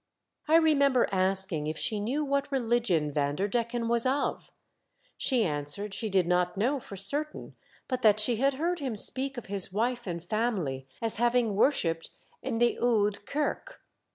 I remember asking if she knew what religion Vanderdecken was of ; she answered she did not know for certain, but that she had heard him speak of his wife and family as having worshipped in the Oude Kerk.